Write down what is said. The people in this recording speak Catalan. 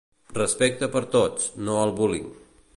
Respecte per a tots, no al bullying.